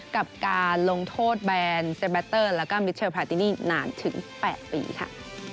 กับการลงโทษแบนเซเบตเตอร์แล้วก็มิเทอร์พาตินี่นานถึง๘ปีค่ะ